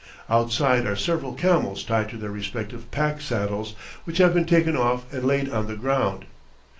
Outside are several camels tied to their respective pack saddles, which have been taken off and laid on the ground.